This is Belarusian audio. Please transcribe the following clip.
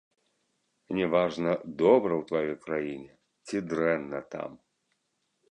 Не важна, добра ў тваёй краіне ці дрэнна там.